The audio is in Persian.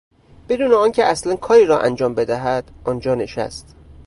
بدون آنکه اصلا کاری را انجام بدهد آنجا نشست.